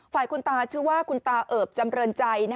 ฝ่ายคุณตาชื่อว่าคุณตาเอิบจำเรินใจ